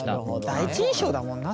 第一印象だもんな